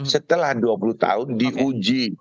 setelah dua puluh tahun di uji